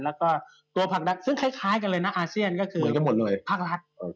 แล้วก็ตัวผลักรัฐซึ่งคล้ายกันเลยนะอาเซียนก็คือภาครัฐ